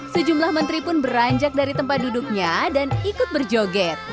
sejumlah menteri pun beranjak dari tempat duduknya dan ikut berjoget